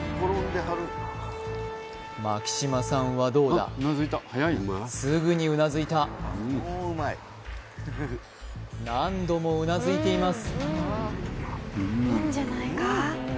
牧島さんはどうだすぐにうなずいた何度もうなずいています